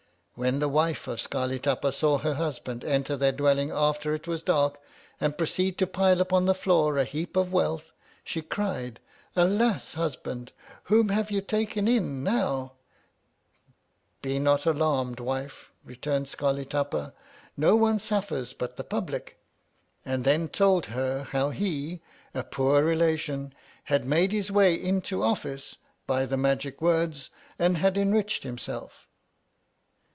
When the wife of Scarli Tapa saw her husband enter their dwelling after it was dark, and proceed to pile upon the floor a heap of wealth, she cried, Alas ! husband, whom have you taken in, now ? Be iiot alarmed, wife, returned Scarli Tapa, no one suffers but the public. And then told her how he, a poor relation, had made his way into Office by the magic words and had enriched himself.